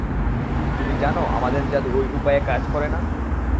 তুমি জানো আমাদের জাদু ঐ উপায়ে কাজ করেনা।